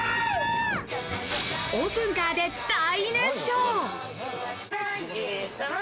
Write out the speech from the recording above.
オープンカーで大熱唱！